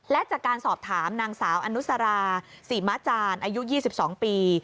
และจากการสอบถามนางสาวอนุสราศรีมะจารย์อายุ๒๒ปี